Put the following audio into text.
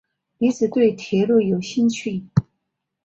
一直对铁路有兴趣。